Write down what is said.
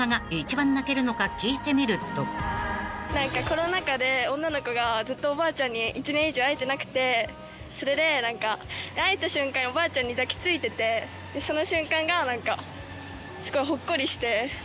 コロナ禍で女の子がずっとおばあちゃんに１年以上会えてなくてそれで会えた瞬間におばあちゃんに抱き付いててその瞬間がすごい。